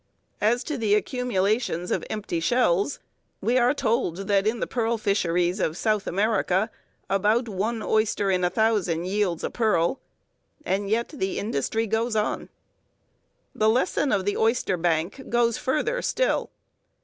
As to the accumulations of empty shells, we are told that in the pearl fisheries of South America about one oyster in a thousand yields a pearl; and yet the industry goes on. The lesson of the oyster bank goes further still.